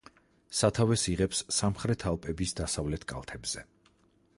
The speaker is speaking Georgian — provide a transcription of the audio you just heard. სათავეს იღებს სამხრეთ ალპების დასავლეთ კალთებზე.